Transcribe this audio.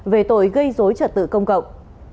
về tội gây dối trật tự công cộng